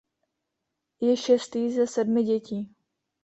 Je šestý ze sedmi dětí.